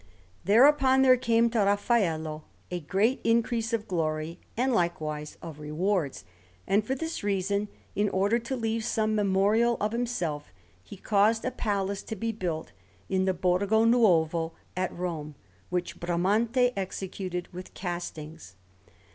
Thereupon there came to Raffaello a great increase of glory, and likewise of rewards; and for this reason, in order to leave some memorial of himself, he caused a palace to be built in the Borgo Nuovo at Rome, which Bramante executed with castings.